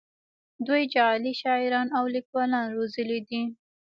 دوی جعلي شاعران او لیکوالان روزلي دي